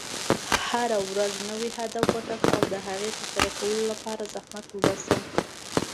هره ورځ نوی هدف وټاکه، او د هغې د ترسره کولو لپاره زحمت وباسه.